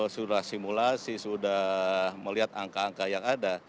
sudah simulasi sudah melihat angka angka yang ada